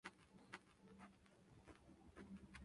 Los judíos debían instalarse en todas partes.